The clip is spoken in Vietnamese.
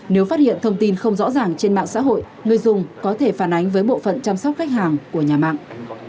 nếu phát hiện thông tin không rõ ràng trên mạng xã hội người dùng có thể phản ánh với bộ phận chăm sóc khách hàng của nhà mạng